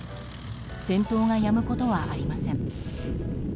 戦闘がやむことはありません。